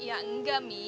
ya enggak mi